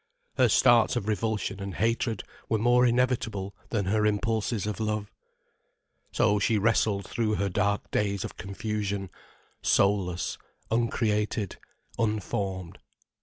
Her starts of revulsion and hatred were more inevitable than her impulses of love. So she wrestled through her dark days of confusion, soulless, uncreated, unformed.